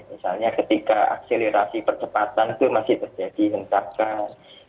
misalnya ketika akselerasi percepatan itu masih terjadi hentakan